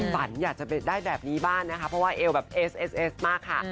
ฝันอยากจะได้แบบนี้บ้างนะคะเพราะว่าเอวแบบเอสเอสเอสมากค่ะ